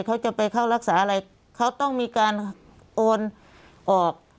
เขาจะไปเข้ารักษาอะไรเขาต้องมีการโอนออก